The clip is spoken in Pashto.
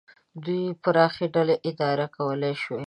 دوی پراخې ډلې اداره کولای شوای.